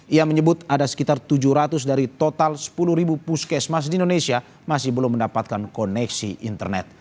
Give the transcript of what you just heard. ia menyebut ada sekitar tujuh ratus dari total sepuluh ribu puskesmas di indonesia masih belum mendapatkan koneksi internet